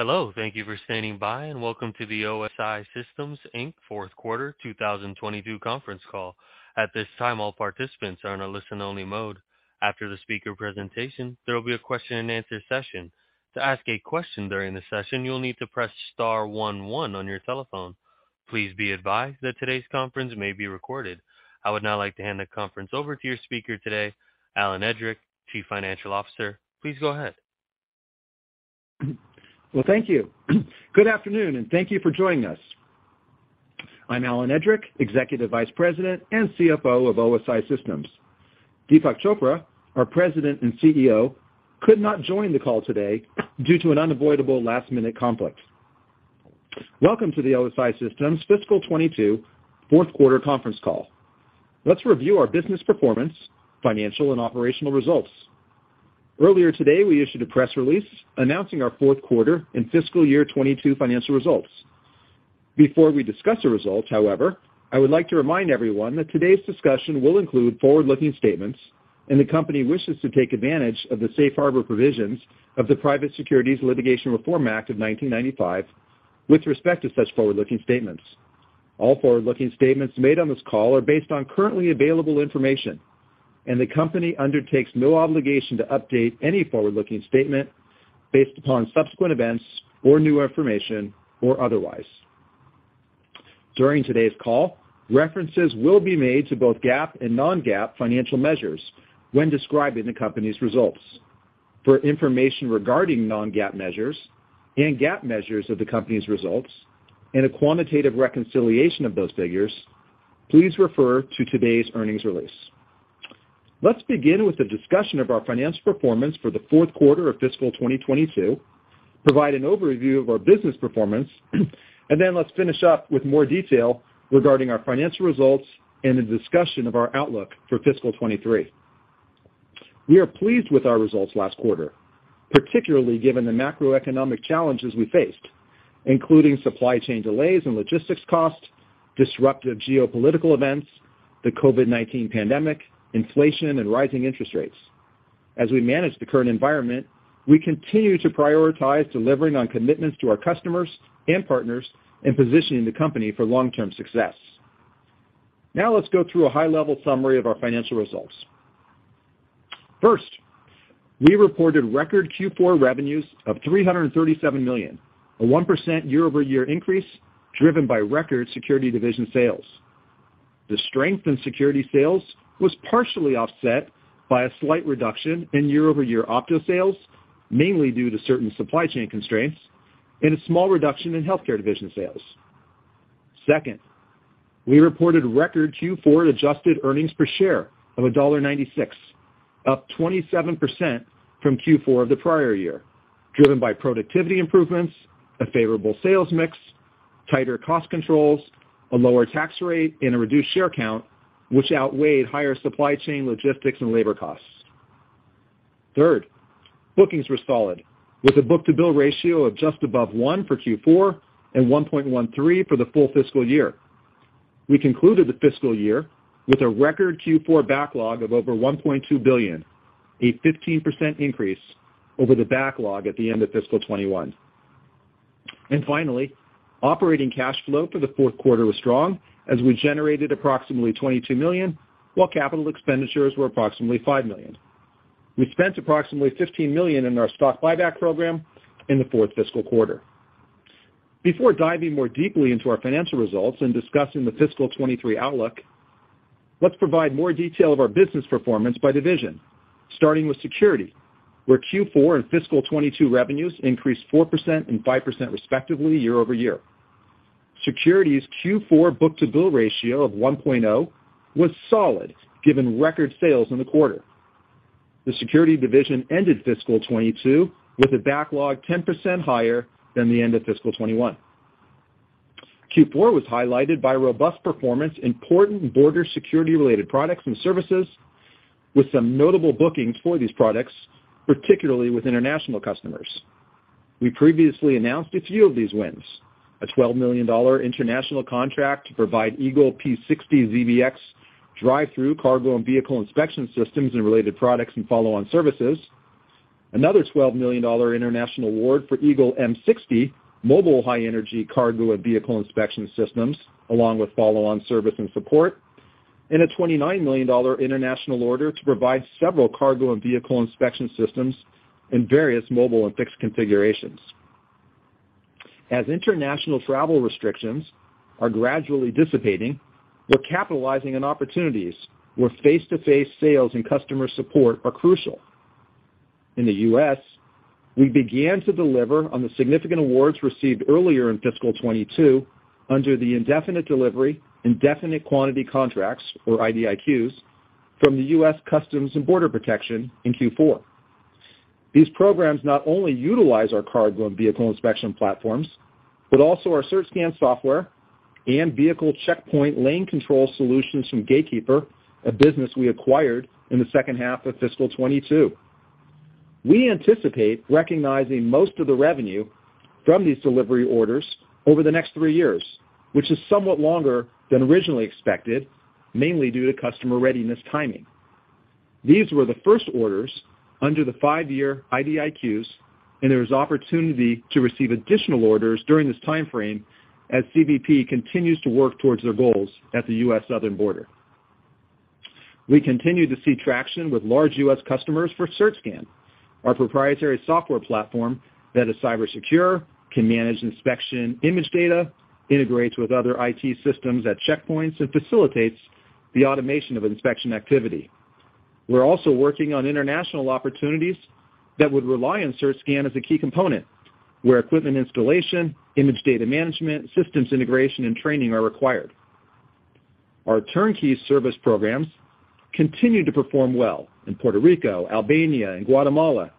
Hello, thank you for standing by, and welcome to the OSI Systems, Inc. fourth quarter 2022 conference call. At this time, all participants are in a listen only mode. After the speaker presentation, there will be a question and answer session. To ask a question during the session, you will need to press star one one on your telephone. Please be advised that today's conference may be recorded. I would now like to hand the conference over to your speaker today, Alan Edrick, Chief Financial Officer. Please go ahead. Well, thank you. Good afternoon, and thank you for joining us. I'm Alan Edrick, Executive Vice President and CFO of OSI Systems. Deepak Chopra, our President and CEO, could not join the call today due to an unavoidable last-minute conflict. Welcome to the OSI Systems fiscal 2022 fourth quarter conference call. Let's review our business performance, financial, and operational results. Earlier today, we issued a press release announcing our fourth quarter and fiscal year 2022 financial results. Before we discuss the results, however, I would like to remind everyone that today's discussion will include forward-looking statements, and the company wishes to take advantage of the safe harbor provisions of the Private Securities Litigation Reform Act of 1995 with respect to such forward-looking statements. All forward-looking statements made on this call are based on currently available information, and the company undertakes no obligation to update any forward-looking statement based upon subsequent events or new information or otherwise. During today's call, references will be made to both GAAP and non-GAAP financial measures when describing the company's results. For information regarding non-GAAP measures and GAAP measures of the company's results and a quantitative reconciliation of those figures, please refer to today's earnings release. Let's begin with a discussion of our financial performance for the fourth quarter of fiscal 2022, provide an overview of our business performance, and then let's finish up with more detail regarding our financial results and a discussion of our outlook for fiscal 2023. We are pleased with our results last quarter, particularly given the macroeconomic challenges we faced, including supply chain delays and logistics costs, disruptive geopolitical events, the COVID-19 pandemic, inflation, and rising interest rates. As we manage the current environment, we continue to prioritize delivering on commitments to our customers and partners and positioning the company for long-term success. Now let's go through a high-level summary of our financial results. First, we reported record Q4 revenues of $337 million, a 1% year-over-year increase driven by record Security division sales. The strength in Security sales was partially offset by a slight reduction in year-over-year Opto sales, mainly due to certain supply chain constraints and a small reduction in Healthcare division sales. Second, we reported record Q4 adjusted earnings per share of $1.96, up 27% from Q4 of the prior year, driven by productivity improvements, a favorable sales mix, tighter cost controls, a lower tax rate, and a reduced share count, which outweighed higher supply chain logistics and labor costs. Third, bookings were solid, with a book-to-bill ratio of just above one for Q4 and 1.13 for the full fiscal year. We concluded the fiscal year with a record Q4 backlog of over $1.2 billion, a 15% increase over the backlog at the end of fiscal 2021. Finally, operating cash flow for the fourth quarter was strong as we generated approximately $22 million, while capital expenditures were approximately $5 million. We spent approximately $15 million in our stock buyback program in the fourth fiscal quarter. Before diving more deeply into our financial results and discussing the fiscal 2023 outlook, let's provide more detail of our business performance by division, starting with Security, where Q4 and fiscal 2022 revenues increased 4% and 5%, respectively, year-over-year. Security's Q4 book-to-bill ratio of 1.0 was solid given record sales in the quarter. The Security division ended fiscal 2022 with a backlog 10% higher than the end of fiscal 2021. Q4 was highlighted by robust performance in important border security-related products and services with some notable bookings for these products, particularly with international customers. We previously announced a few of these wins. A $12 million international contract to provide Eagle P60 ZBx drive-thru cargo and vehicle inspection systems and related products and follow-on services. Another $12 million international award for Eagle M60 mobile high-energy cargo and vehicle inspection systems, along with follow-on service and support. A $29 million international order to provide several cargo and vehicle inspection systems in various mobile and fixed configurations. As international travel restrictions are gradually dissipating, we're capitalizing on opportunities where face-to-face sales and customer support are crucial. In the U.S., we began to deliver on the significant awards received earlier in fiscal 2022 under the indefinite delivery, indefinite quantity contracts, or IDIQs, from the U.S. Customs and Border Protection in Q4. These programs not only utilize our cargo and vehicle inspection platforms, but also our CertScan software and vehicle checkpoint lane control solutions from Gatekeeper, a business we acquired in the second half of fiscal 2022. We anticipate recognizing most of the revenue from these delivery orders over the next three years, which is somewhat longer than originally expected, mainly due to customer readiness timing. These were the first orders under the five-year IDIQs, and there is opportunity to receive additional orders during this time frame as CBP continues to work towards their goals at the U.S. southern border. We continue to see traction with large U.S. customers for CertScan, our proprietary software platform that is cyber secure, can manage inspection image data, integrates with other IT systems at checkpoints, and facilitates the automation of inspection activity. We're also working on international opportunities that would rely on CertScan as a key component, where equipment installation, image data management, systems integration, and training are required. Our turnkey service programs continue to perform well in Puerto Rico, Albania, and Guatemala,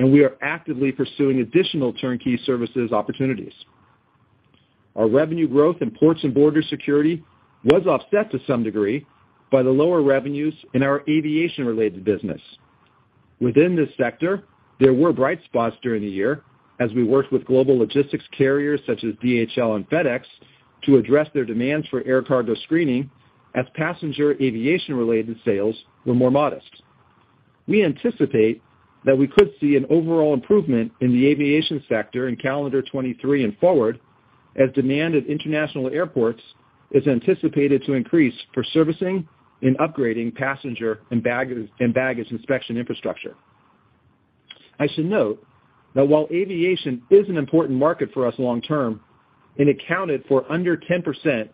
and we are actively pursuing additional turnkey services opportunities. Our revenue growth in ports and border security was offset to some degree by the lower revenues in our aviation-related business. Within this sector, there were bright spots during the year as we worked with global logistics carriers such as DHL and FedEx to address their demands for air cargo screening as passenger aviation-related sales were more modest. We anticipate that we could see an overall improvement in the aviation sector in calendar 2023 and forward as demand at international airports is anticipated to increase for servicing and upgrading passenger and baggage inspection infrastructure. I should note that while aviation is an important market for us long term, it accounted for under 10%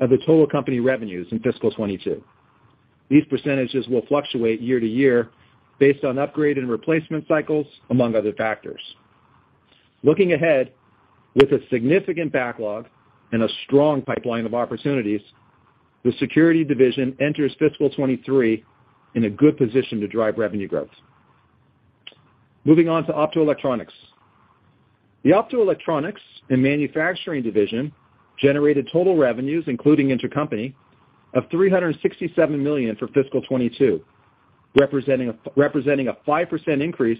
of the total company revenues in fiscal 2022. These percentages will fluctuate year to year based on upgrade and replacement cycles, among other factors. Looking ahead, with a significant backlog and a strong pipeline of opportunities, the Security division enters fiscal 2023 in a good position to drive revenue growth. Moving on to Optoelectronics. The Optoelectronics and Manufacturing division generated total revenues, including intercompany, of $367 million for fiscal 2022, representing a 5% increase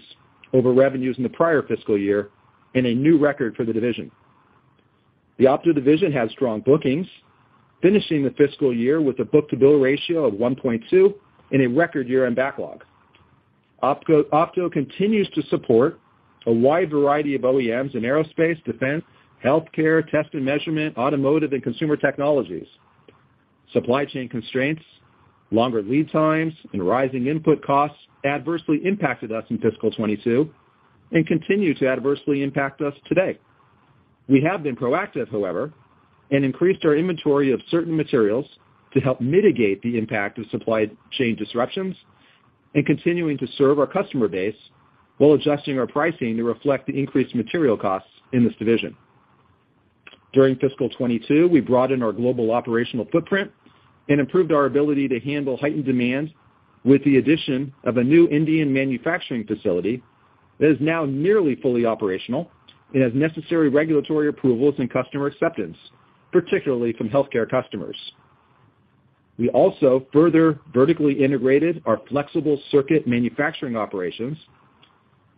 over revenues in the prior fiscal year and a new record for the division. The Opto division had strong bookings, finishing the fiscal year with a book-to-bill ratio of 1.2 and a record year in backlog. Opto continues to support a wide variety of OEMs in aerospace, defense, healthcare, test and measurement, automotive, and consumer technologies. Supply chain constraints, longer lead times, and rising input costs adversely impacted us in fiscal 2022 and continue to adversely impact us today. We have been proactive, however, and increased our inventory of certain materials to help mitigate the impact of supply chain disruptions and continuing to serve our customer base while adjusting our pricing to reflect the increased material costs in this division. During fiscal 2022, we broadened our global operational footprint and improved our ability to handle heightened demand with the addition of a new Indian manufacturing facility that is now nearly fully operational and has necessary regulatory approvals and customer acceptance, particularly from healthcare customers. We also further vertically integrated our flexible circuit manufacturing operations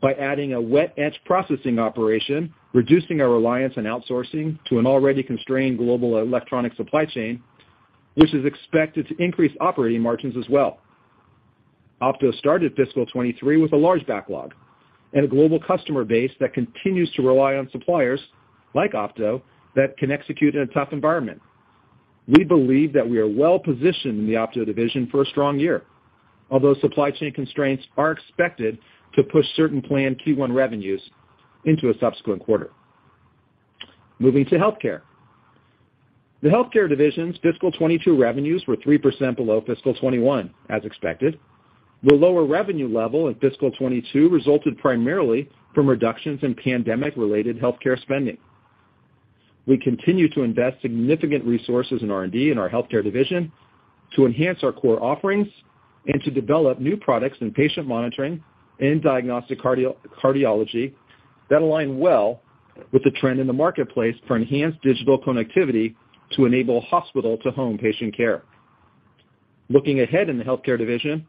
by adding a wet etch processing operation, reducing our reliance on outsourcing to an already constrained global electronic supply chain, which is expected to increase operating margins as well. Opto started fiscal 2023 with a large backlog and a global customer base that continues to rely on suppliers like Opto that can execute in a tough environment. We believe that we are well-positioned in the Opto division for a strong year. Although supply chain constraints are expected to push certain planned Q1 revenues into a subsequent quarter. Moving to Healthcare. The Healthcare division's fiscal 2022 revenues were 3% below fiscal 2021, as expected. The lower revenue level in fiscal 2022 resulted primarily from reductions in pandemic-related healthcare spending. We continue to invest significant resources in R&D in our Healthcare division to enhance our core offerings and to develop new products in patient monitoring and diagnostic cardiology that align well with the trend in the marketplace for enhanced digital connectivity to enable hospital-to-home patient care. Looking ahead in the Healthcare division,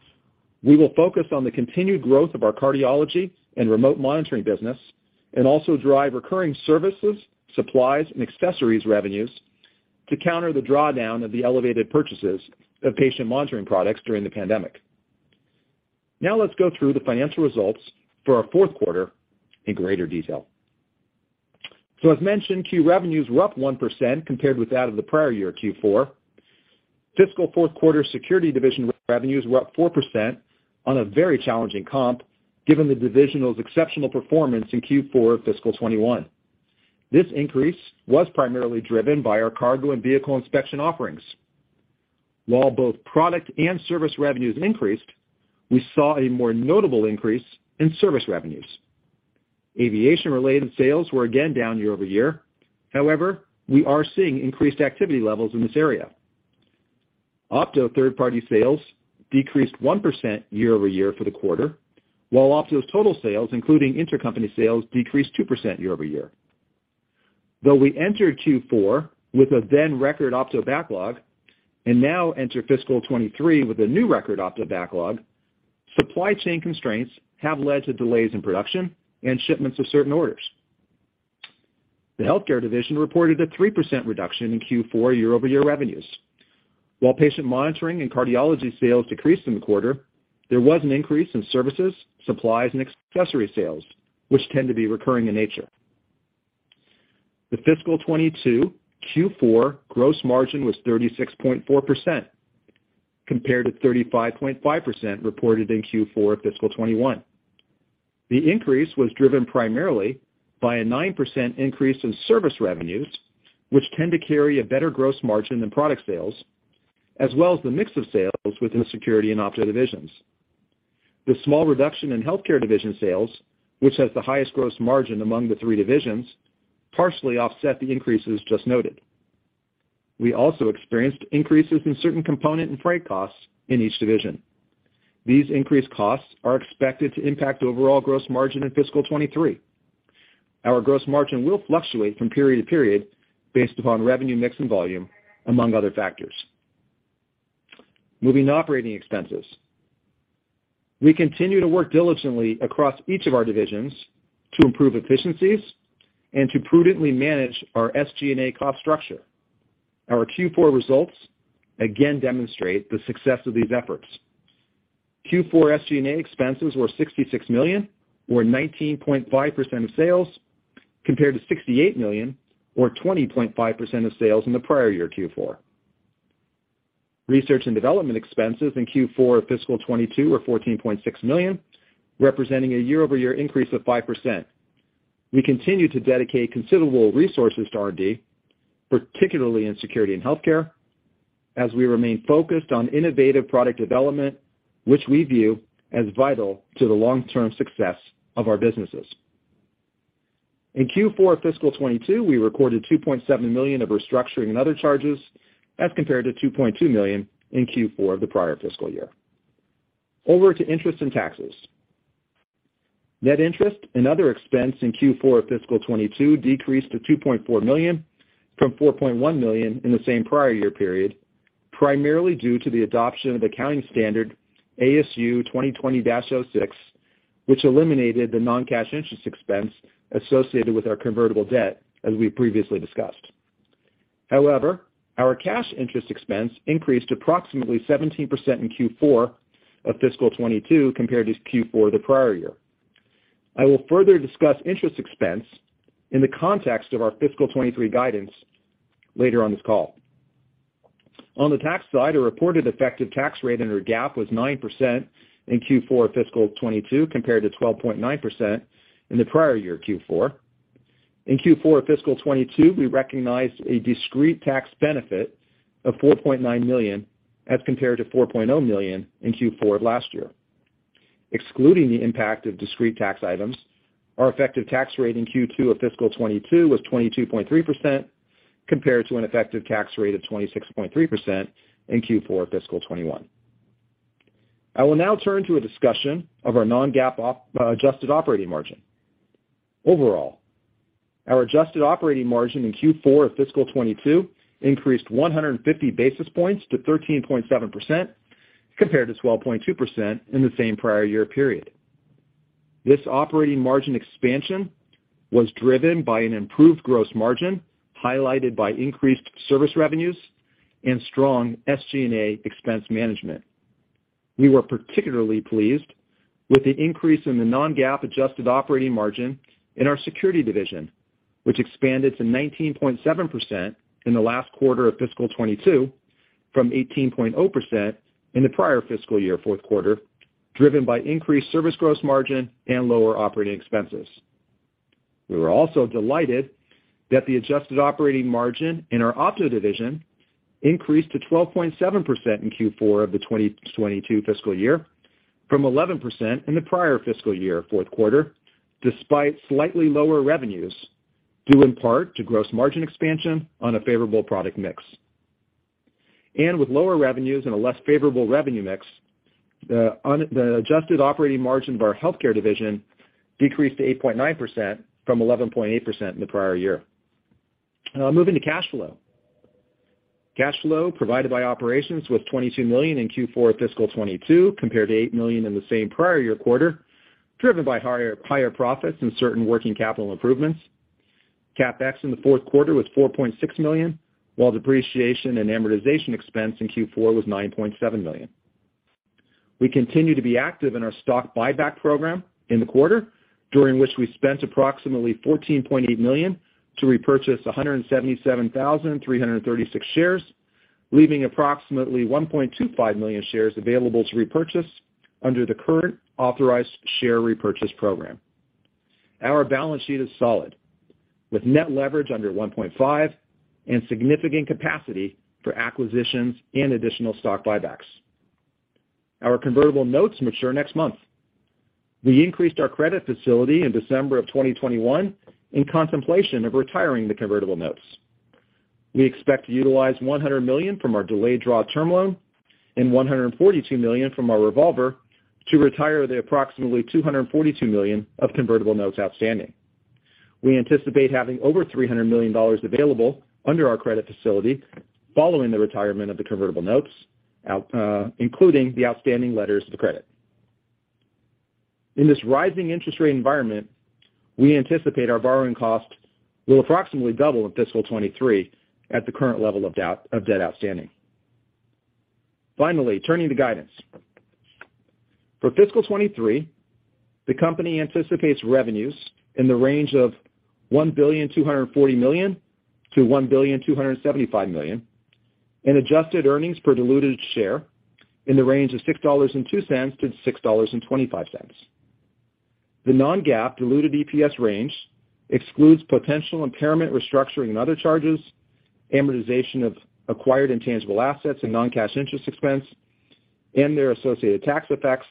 we will focus on the continued growth of our cardiology and remote monitoring business and also drive recurring services, supplies, and accessories revenues to counter the drawdown of the elevated purchases of patient monitoring products during the pandemic. Now let's go through the financial results for our fourth quarter in greater detail. As mentioned, Q revenues were up 1% compared with that of the prior year Q4. Fiscal fourth quarter Security division revenues were up 4% on a very challenging comp, given the division's exceptional performance in Q4 of fiscal 2021. This increase was primarily driven by our cargo and vehicle inspection offerings. While both product and service revenues increased, we saw a more notable increase in service revenues. Aviation-related sales were again down year-over-year. However, we are seeing increased activity levels in this area. Opto third-party sales decreased 1% year-over-year for the quarter, while Opto's total sales, including intercompany sales, decreased 2% year-over-year. Though we entered Q4 with a then record Opto backlog and now enter fiscal 2023 with a new record Opto backlog, supply chain constraints have led to delays in production and shipments of certain orders. The Healthcare division reported a 3% reduction in Q4 year-over-year revenues. While patient monitoring and cardiology sales decreased in the quarter, there was an increase in services, supplies, and accessory sales, which tend to be recurring in nature. The fiscal 2022 Q4 gross margin was 36.4% compared to 35.5% reported in Q4 of fiscal 2021. The increase was driven primarily by a 9% increase in service revenues, which tend to carry a better gross margin than product sales, as well as the mix of sales within the Security and Opto divisions. The small reduction in Healthcare division sales, which has the highest gross margin among the three divisions, partially offset the increases just noted. We also experienced increases in certain component and freight costs in each division. These increased costs are expected to impact overall gross margin in fiscal 2023. Our gross margin will fluctuate from period to period based upon revenue mix and volume, among other factors. Moving to operating expenses. We continue to work diligently across each of our divisions to improve efficiencies and to prudently manage our SG&A cost structure. Our Q4 results again demonstrate the success of these efforts. Q4 SG&A expenses were $66 million, or 19.5% of sales, compared to $68 million, or 20.5% of sales in the prior year Q4. Research and development expenses in Q4 of fiscal 2022 were $14.6 million, representing a year-over-year increase of 5%. We continue to dedicate considerable resources to R&D, particularly in Security and Healthcare, as we remain focused on innovative product development, which we view as vital to the long-term success of our businesses. In Q4 of fiscal 2022, we recorded $2.7 million of restructuring and other charges as compared to $2.2 million in Q4 of the prior fiscal year. Over to interest and taxes. Net interest and other expense in Q4 of fiscal 2022 decreased to $2.4 million from $4.1 million in the same prior year period, primarily due to the adoption of accounting standard ASU 2020-06, which eliminated the non-cash interest expense associated with our convertible debt as we previously discussed. However, our cash interest expense increased approximately 17% in Q4 of fiscal 2022 compared to Q4 of the prior year. I will further discuss interest expense in the context of our fiscal 2023 guidance later on this call. On the tax side, a reported effective tax rate under GAAP was 9% in Q4 of fiscal 2022 compared to 12.9% in the prior year Q4. In Q4 of fiscal 2022, we recognized a discrete tax benefit of $4.9 million as compared to $4.0 million in Q4 of last year. Excluding the impact of discrete tax items, our effective tax rate in Q2 of fiscal 2022 was 22.3% compared to an effective tax rate of 26.3% in Q4 of fiscal 2021. I will now turn to a discussion of our non-GAAP adjusted operating margin. Overall, our adjusted operating margin in Q4 of fiscal 2022 increased 150 basis points to 13.7% compared to 12.2% in the same prior year period. This operating margin expansion was driven by an improved gross margin, highlighted by increased service revenues and strong SG&A expense management. We were particularly pleased with the increase in the non-GAAP adjusted operating margin in our Security division, which expanded to 19.7% in the last quarter of fiscal 2022 from 18.0% in the prior fiscal year fourth quarter, driven by increased service gross margin and lower operating expenses. We were also delighted that the adjusted operating margin in our Opto division increased to 12.7% in Q4 of the 2022 fiscal year from 11% in the prior fiscal year fourth quarter, despite slightly lower revenues, due in part to gross margin expansion on a favorable product mix. With lower revenues and a less favorable revenue mix, the adjusted operating margin of our Healthcare division decreased to 8.9% from 11.8% in the prior year. Now moving to cash flow. Cash flow provided by operations was $22 million in Q4 fiscal 2022 compared to $8 million in the same prior year quarter, driven by higher profits and certain working capital improvements. CapEx in the fourth quarter was $4.6 million, while depreciation and amortization expense in Q4 was $9.7 million. We continue to be active in our stock buyback program in the quarter, during which we spent approximately $14.8 million to repurchase 177,336 shares, leaving approximately 1.25 million shares available to repurchase under the current authorized share repurchase program. Our balance sheet is solid, with net leverage under 1.5 and significant capacity for acquisitions and additional stock buybacks. Our convertible notes mature next month. We increased our credit facility in December of 2021 in contemplation of retiring the convertible notes. We expect to utilize $100 million from our delayed draw term loan and $142 million from our revolver to retire the approximately $242 million of convertible notes outstanding. We anticipate having over $300 million available under our credit facility following the retirement of the convertible notes out, including the outstanding letters of credit. In this rising interest rate environment, we anticipate our borrowing cost will approximately double in fiscal 2023 at the current level of debt outstanding. Finally, turning to guidance. For fiscal 2023, the company anticipates revenues in the range of $1.24 billion-$1.275 billion, and adjusted earnings per diluted share in the range of $6.02-$6.25. The non-GAAP diluted EPS range excludes potential impairment restructuring and other charges, amortization of acquired intangible assets and non-cash interest expense, and their associated tax effects,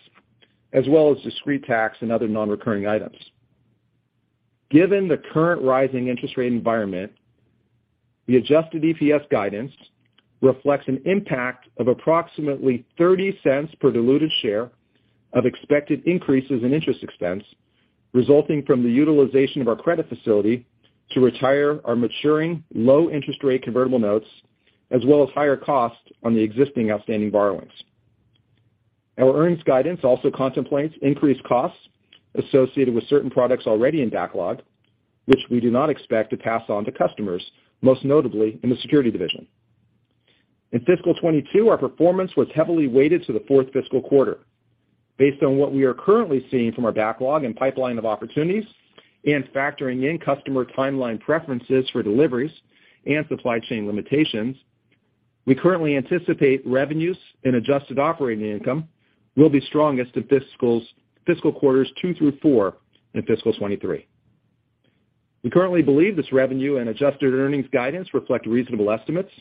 as well as discrete tax and other non-recurring items. Given the current rising interest rate environment, the adjusted EPS guidance reflects an impact of approximately $0.30 per diluted share of expected increases in interest expense resulting from the utilization of our credit facility to retire our maturing low interest rate convertible notes, as well as higher costs on the existing outstanding borrowings. Our earnings guidance also contemplates increased costs associated with certain products already in backlog, which we do not expect to pass on to customers, most notably in the Security division. In fiscal 2022, our performance was heavily weighted to the fourth fiscal quarter. Based on what we are currently seeing from our backlog and pipeline of opportunities, and factoring in customer timeline preferences for deliveries and supply chain limitations, we currently anticipate revenues and adjusted operating income will be strongest in fiscal quarters two through four in fiscal 2023. We currently believe this revenue and adjusted earnings guidance reflect reasonable estimates.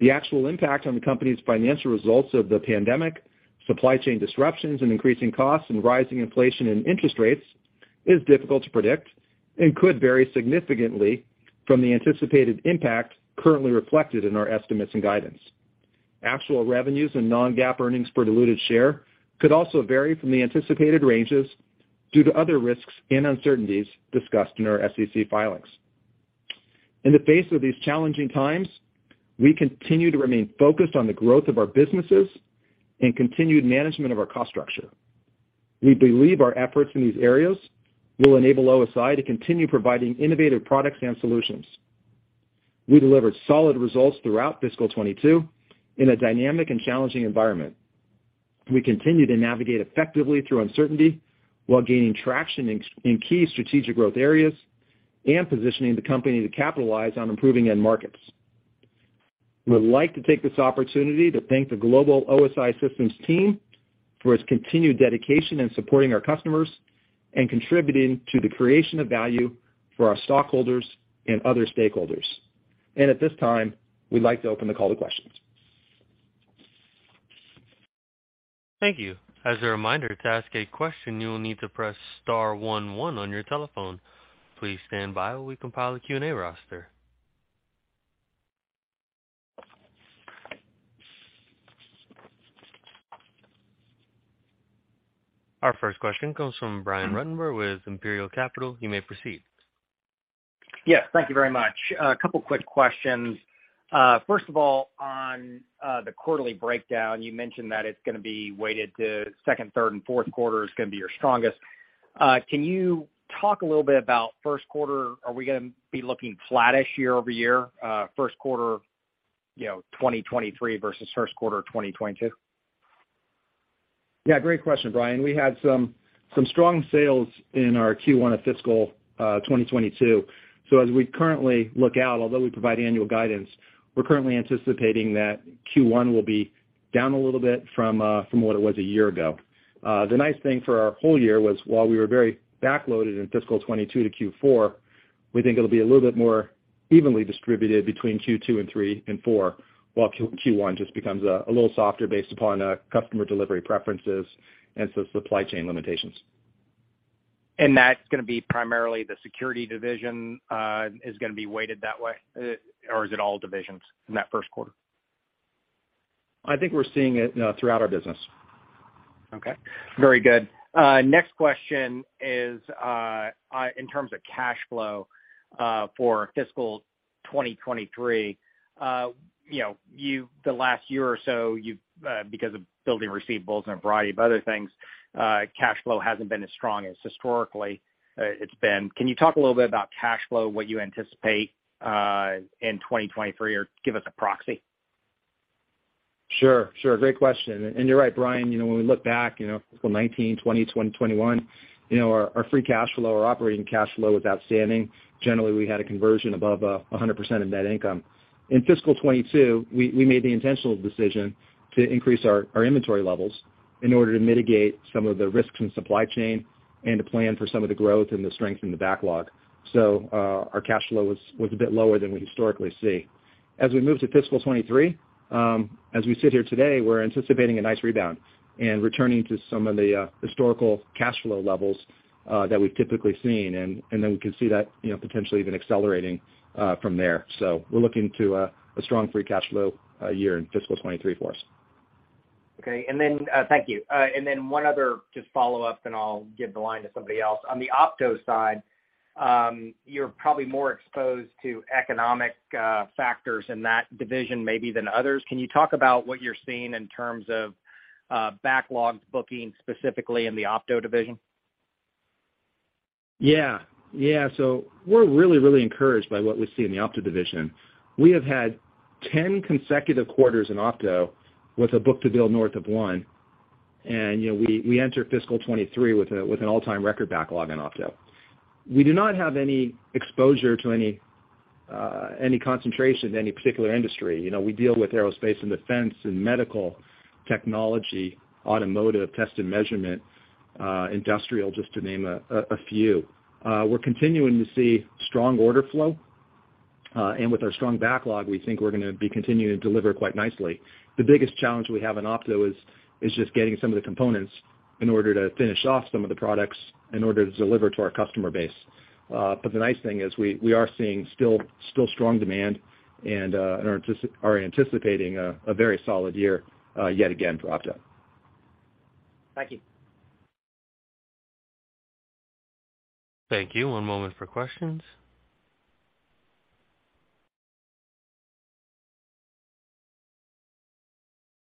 The actual impact on the company's financial results of the pandemic, supply chain disruptions, and increasing costs, and rising inflation and interest rates is difficult to predict and could vary significantly from the anticipated impact currently reflected in our estimates and guidance. Actual revenues and non-GAAP earnings per diluted share could also vary from the anticipated ranges due to other risks and uncertainties discussed in our SEC filings. In the face of these challenging times, we continue to remain focused on the growth of our businesses and continued management of our cost structure. We believe our efforts in these areas will enable OSI to continue providing innovative products and solutions. We delivered solid results throughout fiscal 2022 in a dynamic and challenging environment. We continue to navigate effectively through uncertainty while gaining traction in key strategic growth areas and positioning the company to capitalize on improving end markets. We would like to take this opportunity to thank the global OSI Systems team for its continued dedication in supporting our customers and contributing to the creation of value for our stockholders and other stakeholders. At this time, we'd like to open the call to questions. Thank you. As a reminder, to ask a question, you will need to press star one one on your telephone. Please stand by while we compile a Q&A roster. Our first question comes from Brian Ruttenbur with Imperial Capital. You may proceed. Yes. Thank you very much. A couple quick questions. First of all, on the quarterly breakdown, you mentioned that it's gonna be weighted to second, third, and fourth quarter is gonna be your strongest. Can you talk a little bit about first quarter? Are we gonna be looking flattish year-over-year, first quarter, you know, 2023 versus first quarter of 2022? Yeah. Great question, Brian. We had some strong sales in our Q1 of fiscal 2022. As we currently look out, although we provide annual guidance, we're currently anticipating that Q1 will be down a little bit from what it was a year ago. The nice thing for our whole year was while we were very backloaded in fiscal 2022 to Q4, we think it'll be a little bit more evenly distributed between Q2 and Q3 and Q4, while Q1 just becomes a little softer based upon customer delivery preferences and some supply chain limitations. That's gonna be primarily the Security division is gonna be weighted that way? Or is it all divisions in that first quarter? I think we're seeing it throughout our business. Okay. Very good. Next question is in terms of cash flow for fiscal 2023. You know, the last year or so, you've because of building receivables and a variety of other things, cash flow hasn't been as strong as historically it's been. Can you talk a little bit about cash flow, what you anticipate in 2023, or give us a proxy? Sure. Great question. You're right, Brian, you know, when we look back, you know, fiscal 2019, 2020, 2021, you know, our free cash flow, our operating cash flow was outstanding. Generally, we had a conversion above 100% of net income. In fiscal 2022, we made the intentional decision to increase our inventory levels in order to mitigate some of the risks in supply chain and to plan for some of the growth and the strength in the backlog. Our cash flow was a bit lower than we historically see. As we move to fiscal 2023, as we sit here today, we're anticipating a nice rebound and returning to some of the historical cash flow levels that we've typically seen. Then we can see that, you know, potentially even accelerating from there. We're looking to a strong free cash flow year in fiscal 2023 for us. Thank you. One other just follow-up, and I'll give the line to somebody else. On the Opto side, you're probably more exposed to economic factors in that division maybe than others. Can you talk about what you're seeing in terms of backlogs booking specifically in the Opto division? We're really, really encouraged by what we see in the Opto division. We have had 10 consecutive quarters in Opto with a book-to-bill north of one. We entered fiscal 2023 with an all-time record backlog in Opto. We do not have any exposure to any concentration to any particular industry. We deal with aerospace and defense and medical technology, automotive, test and measurement, industrial, just to name a few. We're continuing to see strong order flow. With our strong backlog, we think we're gonna be continuing to deliver quite nicely. The biggest challenge we have in Opto is just getting some of the components in order to finish off some of the products in order to deliver to our customer base. The nice thing is we are seeing still strong demand and are anticipating a very solid year yet again for Opto. Thank you. Thank you. One moment for questions.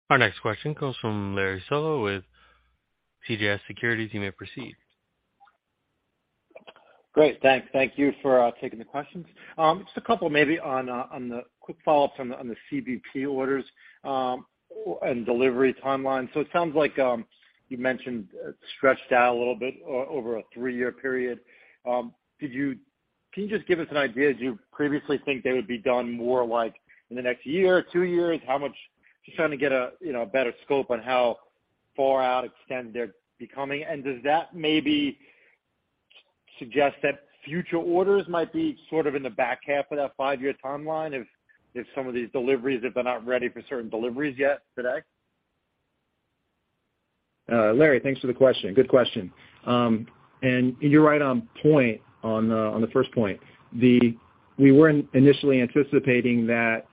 Our next question comes from Larry Solow with CJS Securities. You may proceed. Great. Thank you for taking the questions. Just a couple maybe on the quick follow-ups on the CBP orders and delivery timeline. It sounds like you mentioned stretched out a little bit over a three-year period. Can you just give us an idea, do you previously think they would be done more like in the next year or two years? How much just trying to get a you know a better scope on how far out extent they're becoming. Does that maybe suggest that future orders might be sort of in the back half of that five-year timeline if some of these deliveries if they're not ready for certain deliveries yet today? Larry, thanks for the question. Good question. You're right on point on the first point. We weren't initially anticipating that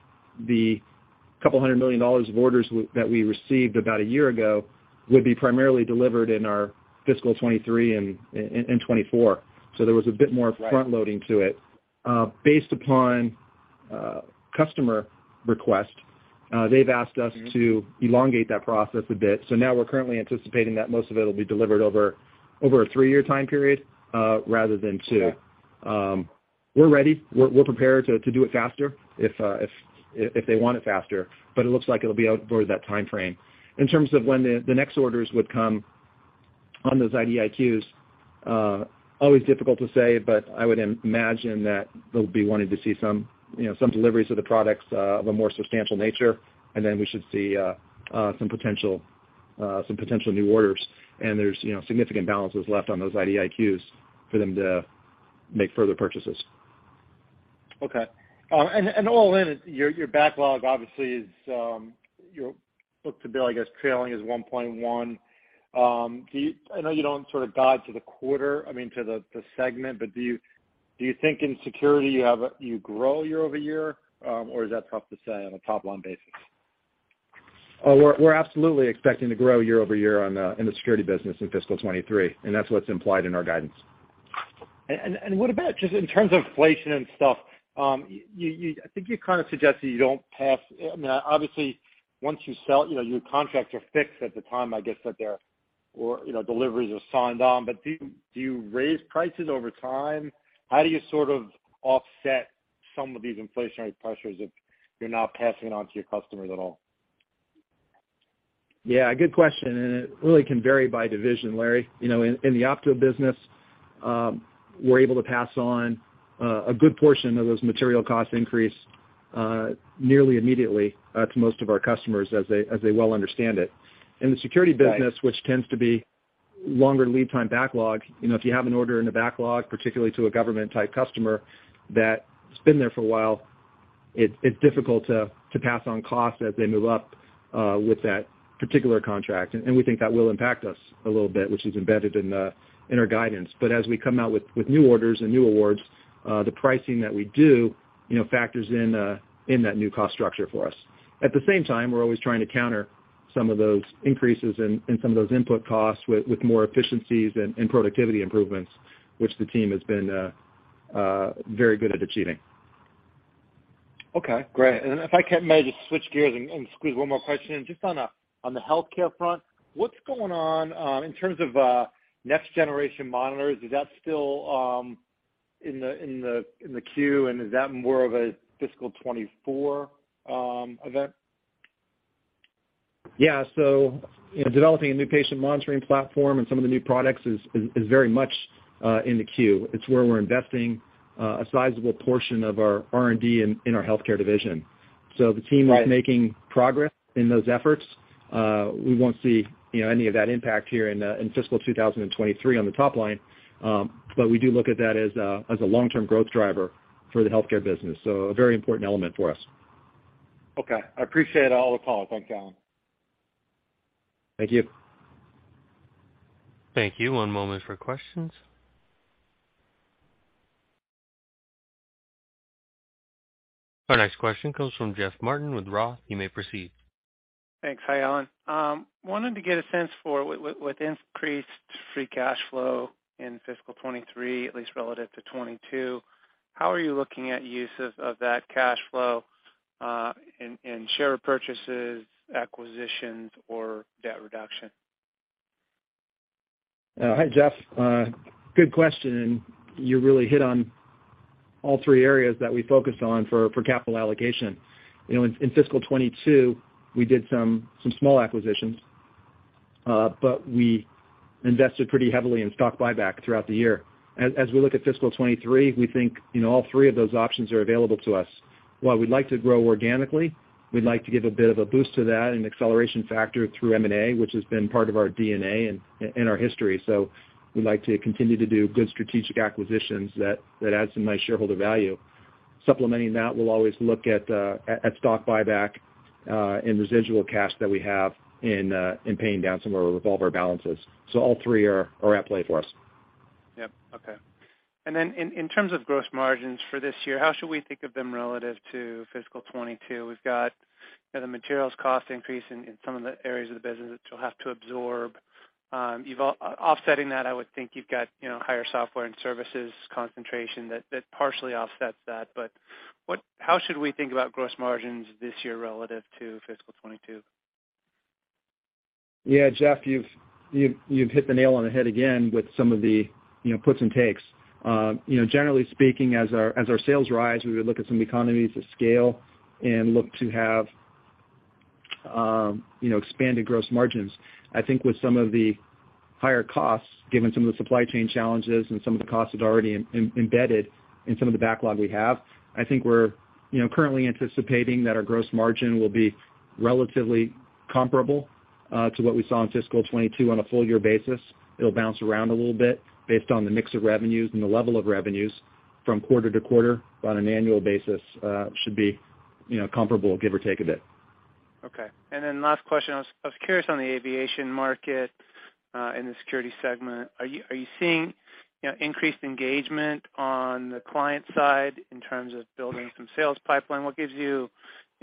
the $200 million of orders that we received about a year ago would be primarily delivered in our fiscal 2023 and 2024. There was a bit more front loading to it. Based upon customer request, they've asked us to elongate that process a bit. Now we're currently anticipating that most of it will be delivered over a three-year time period rather than two. We're ready. We're prepared to do it faster if they want it faster, but it looks like it'll be out towards that timeframe. In terms of when the next orders would come on those IDIQs, always difficult to say, but I would imagine that they'll be wanting to see some, you know, some deliveries of the products of a more substantial nature, and then we should see some potential new orders. There's, you know, significant balances left on those IDIQs for them to make further purchases. Okay. All in, your backlog obviously is your book-to-bill, I guess, trailing is 1.1. I know you don't sort of guide to the quarter, I mean, to the segment, but do you think in Security you grow year-over-year? Or is that tough to say on a top-line basis? We're absolutely expecting to grow year-over-year in the Security business in fiscal 2023, and that's what's implied in our guidance. What about just in terms of inflation and stuff? I think you kind of suggested you don't pass. I mean, obviously once you sell, you know, your contracts are fixed at the time. I guess you know, deliveries are signed on. Do you raise prices over time? How do you sort of offset some of these inflationary pressures if you're not passing it on to your customers at all? Yeah, good question. It really can vary by division, Larry. You know, in the Opto business, we're able to pass on a good portion of those material cost increase nearly immediately to most of our customers as they well understand it. In the Security business- Right ...which tends to be longer lead time backlog, you know, if you have an order in the backlog, particularly to a government type customer that's been there for a while, it's difficult to pass on costs as they move up with that particular contract. We think that will impact us a little bit, which is embedded in our guidance. As we come out with new orders and new awards, the pricing that we do, you know, factors in that new cost structure for us. At the same time, we're always trying to counter some of those increases in some of those input costs with more efficiencies and productivity improvements, which the team has been very good at achieving. Okay, great. If I can maybe just switch gears and squeeze one more question. Just on the Healthcare front, what's going on in terms of next generation monitors? Is that still in the queue, and is that more of a fiscal 2024 event? Yeah. You know, developing a new patient monitoring platform and some of the new products is very much in the queue. It's where we're investing a sizable portion of our R&D in our Healthcare division. Right. The team is making progress in those efforts. We won't see any of that impact here in fiscal 2023 on the top line. We do look at that as a long-term growth driver for the Healthcare business. A very important element for us. Okay. I appreciate all the color. Thanks, Alan. Thank you. Thank you. One moment for questions. Our next question comes from Jeff Martin with Roth. You may proceed. Thanks. Hi, Alan. Wanted to get a sense for with increased free cash flow in fiscal 2023, at least relative to 2022, how are you looking at uses of that cash flow in share purchases, acquisitions, or debt reduction? Hi, Jeff. Good question. You really hit on all three areas that we focused on for capital allocation. You know, in fiscal 2022, we did some small acquisitions, but we invested pretty heavily in stock buyback throughout the year. As we look at fiscal 2023, we think, you know, all three of those options are available to us. While we'd like to grow organically, we'd like to give a bit of a boost to that and acceleration factor through M&A, which has been part of our DNA and our history. We'd like to continue to do good strategic acquisitions that add some nice shareholder value. Supplementing that, we'll always look at stock buyback and residual cash that we have in paying down some of our revolver balances. All three are at play for us. Yep. Okay. In terms of gross margins for this year, how should we think of them relative to fiscal 2022? We've got, you know, the materials cost increase in some of the areas of the business that you'll have to absorb. Offsetting that, I would think you've got, you know, higher software and services concentration that partially offsets that. How should we think about gross margins this year relative to fiscal 2022? Yeah, Jeff, you've hit the nail on the head again with some of the, you know, puts and takes. You know, generally speaking, as our sales rise, we would look at some economies of scale and look to have, you know, expanded gross margins. I think with some of the higher costs, given some of the supply chain challenges and some of the costs that are already embedded in some of the backlog we have, I think we're, you know, currently anticipating that our gross margin will be relatively comparable to what we saw in fiscal 2022 on a full year basis. It'll bounce around a little bit based on the mix of revenues and the level of revenues from quarter to quarter. On an annual basis, should be, you know, comparable, give or take a bit. Okay. Last question, I was curious on the aviation market in the Security segment. Are you seeing, you know, increased engagement on the client side in terms of building some sales pipeline? What gives you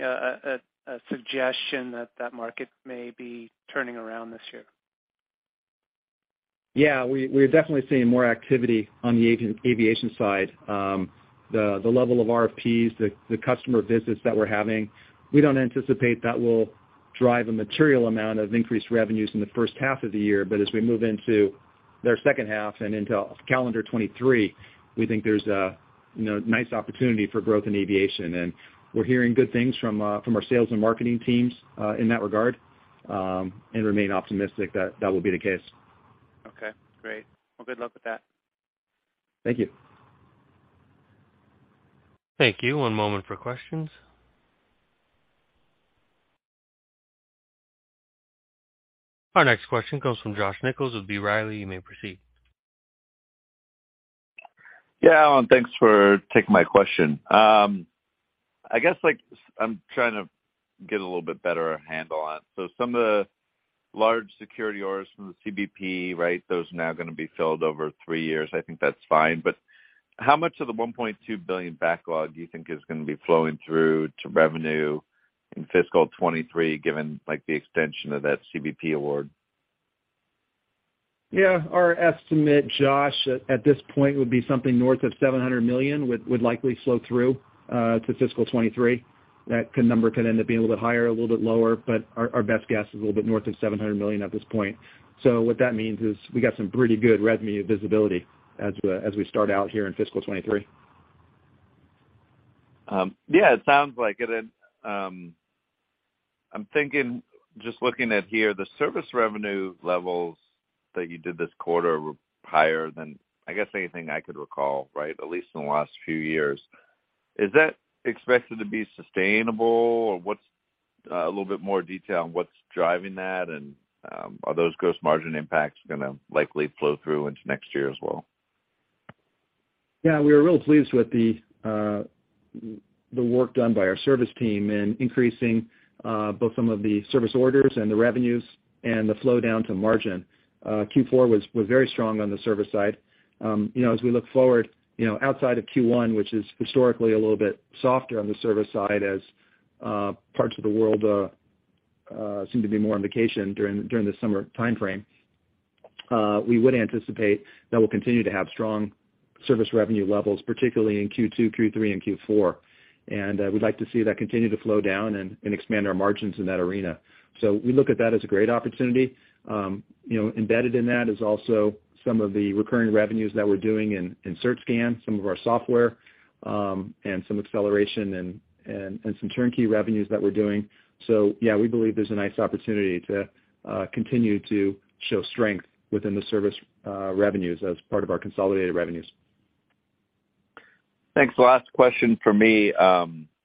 a suggestion that that market may be turning around this year? We're definitely seeing more activity on the aviation side. The level of RFPs, the customer visits that we're having, we don't anticipate that will drive a material amount of increased revenues in the first half of the year. As we move into the second half and into calendar 2023, we think there's a you know nice opportunity for growth in aviation. We're hearing good things from our sales and marketing teams in that regard and remain optimistic that that will be the case. Okay. Great. Well, good luck with that. Thank you. Thank you. One moment for questions. Our next question comes from Josh Nichols with B. Riley. You may proceed. Yeah. Alan, thanks for taking my question. I guess, like, I'm trying to get a little bit better handle on. Some of the large Security orders from the CBP, right, those are now gonna be filled over three years. I think that's fine. But how much of the $1.2 billion backlog do you think is gonna be flowing through to revenue in fiscal 2023, given, like, the extension of that CBP award? Yeah. Our estimate, Josh, at this point would be something north of $700 million would likely flow through to fiscal 2023. That number could end up being a little bit higher, a little bit lower, but our best guess is a little bit north of $700 million at this point. What that means is we got some pretty good revenue visibility as we start out here in fiscal 2023. Yeah, it sounds like it. I'm thinking, just looking at here, the service revenue levels that you did this quarter were higher than, I guess, anything I could recall, right? At least in the last few years. Is that expected to be sustainable, or what's, a little bit more detail on what's driving that? Are those gross margin impacts gonna likely flow through into next year as well? Yeah, we were real pleased with the work done by our service team in increasing both some of the service orders and the revenues and the flow down to margin. Q4 was very strong on the service side. You know, as we look forward, you know, outside of Q1, which is historically a little bit softer on the service side as parts of the world seem to be more on vacation during the summer timeframe, we would anticipate that we'll continue to have strong service revenue levels, particularly in Q2, Q3, and Q4. We'd like to see that continue to flow down and expand our margins in that arena. We look at that as a great opportunity. You know, embedded in that is also some of the recurring revenues that we're doing in CertScan, some of our software, and some acceleration and some turnkey revenues that we're doing. Yeah, we believe there's a nice opportunity to continue to show strength within the service revenues as part of our consolidated revenues. Thanks. The last question from me.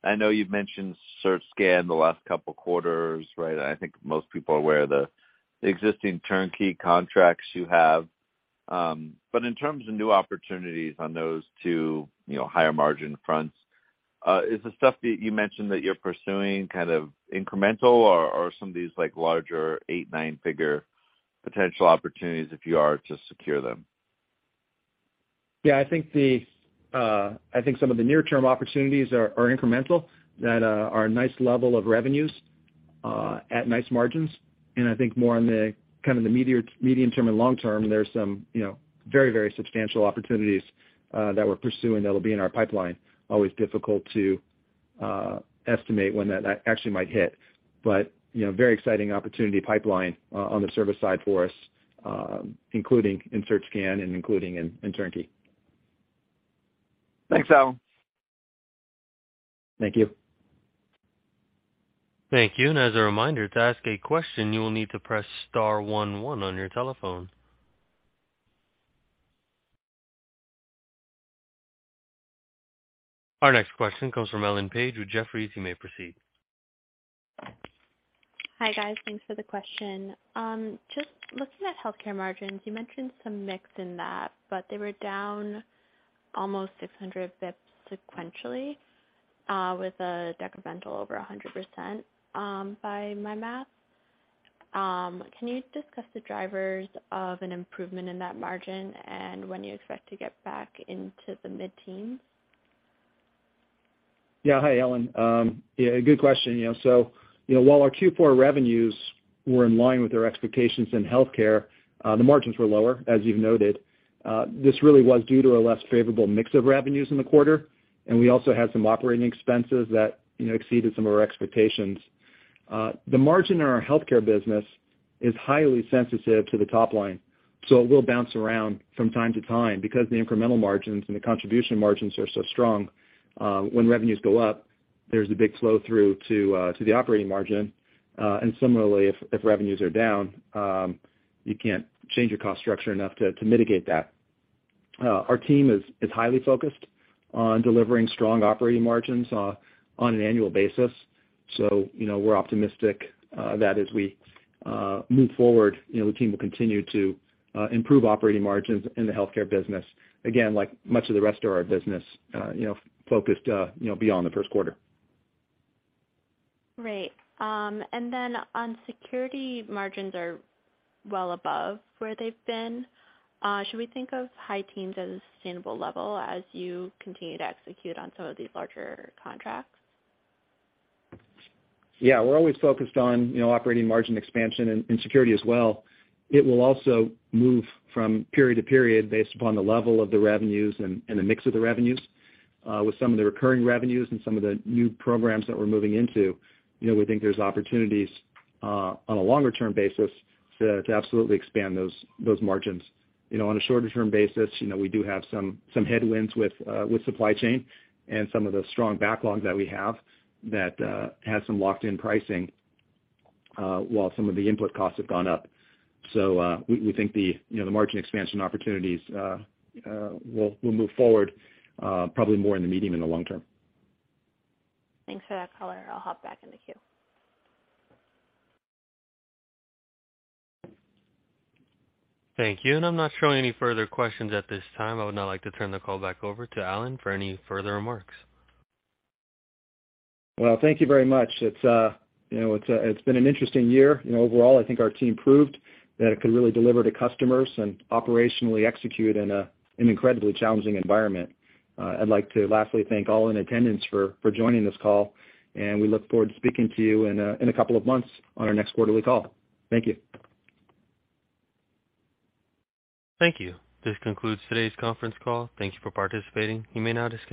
I know you've mentioned CertScan the last couple quarters, right? I think most people are aware the existing turnkey contracts you have. In terms of new opportunities on those two, you know, higher margin fronts, is the stuff that you mentioned that you're pursuing kind of incremental or some of these like larger eight, nine-figure potential opportunities if you are to secure them? Yeah, I think some of the near-term opportunities are incremental that are a nice level of revenues at nice margins. I think more on the kind of the medium term and long term, there's some, you know, very, very substantial opportunities that we're pursuing that'll be in our pipeline. Always difficult to estimate when that actually might hit. You know, very exciting opportunity pipeline on the service side for us, including in CertScan and including in Turnkey. Thanks, Alan. Thank you. Thank you. As a reminder, to ask a question, you will need to press star one one on your telephone. Our next question comes from Ellen Page with Jefferies. You may proceed. Hi, guys. Thanks for the question. Just looking at Healthcare margins, you mentioned some mix in that, but they were down almost 600 basis points sequentially, with a decremental over 100%, by my math. Can you discuss the drivers of an improvement in that margin and when you expect to get back into the mid-teens? Yeah. Hi, Ellen. Yeah, good question, you know. You know, while our Q4 revenues were in line with our expectations in Healthcare, the margins were lower, as you've noted. This really was due to a less favorable mix of revenues in the quarter, and we also had some operating expenses that, you know, exceeded some of our expectations. The margin in our Healthcare business is highly sensitive to the top line, so it will bounce around from time to time. Because the incremental margins and the contribution margins are so strong, when revenues go up, there's a big flow-through to the operating margin. Similarly, if revenues are down, you can't change your cost structure enough to mitigate that. Our team is highly focused on delivering strong operating margins on an annual basis. You know, we're optimistic that as we move forward, you know, the team will continue to improve operating margins in the Healthcare business. Again, like much of the rest of our business, you know, focused, you know, beyond the first quarter. Great. On Security margins are well above where they've been. Should we think of high teens as a sustainable level as you continue to execute on some of these larger contracts? Yeah. We're always focused on, you know, operating margin expansion in Security as well. It will also move from period to period based upon the level of the revenues and the mix of the revenues. With some of the recurring revenues and some of the new programs that we're moving into, you know, we think there's opportunities on a longer term basis to absolutely expand those margins. You know, on a shorter term basis, you know, we do have some headwinds with supply chain and some of the strong backlogs that we have that have some locked in pricing while some of the input costs have gone up. We think you know, the margin expansion opportunities will move forward probably more in the medium and the long term. Thanks for that color. I'll hop back in the queue. Thank you. I'm not showing any further questions at this time. I would now like to turn the call back over to Alan for any further remarks. Well, thank you very much. You know, it's been an interesting year. You know, overall, I think our team proved that it could really deliver to customers and operationally execute in an incredibly challenging environment. I'd like to lastly thank all in attendance for joining this call, and we look forward to speaking to you in a couple of months on our next quarterly call. Thank you. Thank you. This concludes today's conference call. Thank you for participating. You may now disconnect.